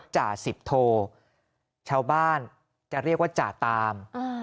จ่าสิบโทชาวบ้านจะเรียกว่าจ่าตาม